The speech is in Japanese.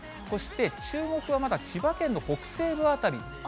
そして、注目はまだ千葉県の北西部辺り。